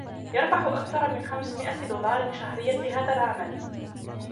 يربح أكثر من خمس مئة دولار شهريا بهذا العمل.